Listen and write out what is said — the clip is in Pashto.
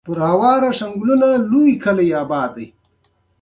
په پردۍ ژبه خبری کول ستونزمن وی؟